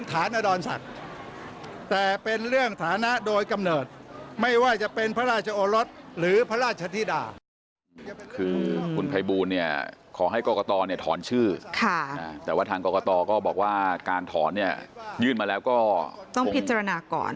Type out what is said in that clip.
การเสนอบบัญชีภัยตรีขอให้กรกตทอนชื่อแต่ว่าการเสนอบบัญชาติแล้วก็พอต้องพิจารณาก่อน